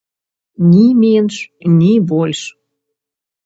Ні менш, ні больш.